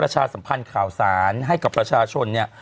ให้กับประชาชนเนี่ย